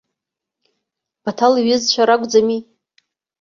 Баҭал иҩызцәа ракәӡами?